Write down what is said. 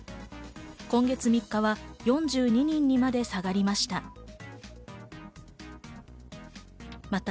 今月３日は４２人にまで下がりました。